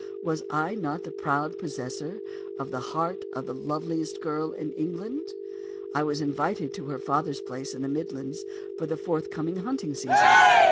Was I not the proud possessor of the heart of the loveliest girl in England? I was invited to her father's place in the Midlands, for the forthcoming hunting season.